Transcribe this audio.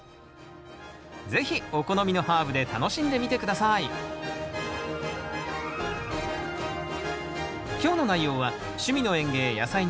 是非お好みのハーブで楽しんでみて下さい今日の内容は「趣味の園芸やさいの時間」